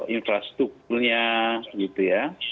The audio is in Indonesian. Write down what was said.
infrastuknya gitu ya